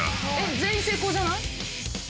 全員成功じゃない？